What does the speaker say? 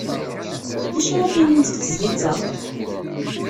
D acu ara tinimt di tezlit-a?